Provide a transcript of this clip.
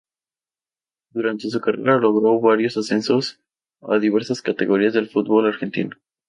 Durante su carrera logró varios ascensos a diversas categorías del fútbol argentino.